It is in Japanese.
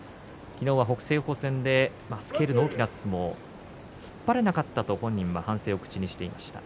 スケールの大きな相撲突っ張れなかったと本人は反省を口にしていました。